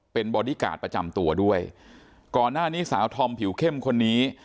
เป็นบอดี้การ์ดประจำตัวด้วยก่อนหน้านี้สาวธอมผิวเข้มคนนี้